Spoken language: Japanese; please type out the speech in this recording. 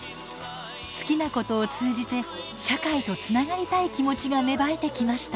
好きなことを通じて社会とつながりたい気持ちが芽生えてきました。